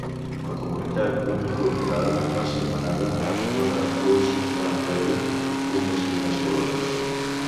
La comunitat no incorporada va ser nomenada en honor a Plus Rand Levi, un dels primers colons.